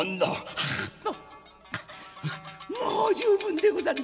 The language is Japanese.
「はあもう十分でござりまする。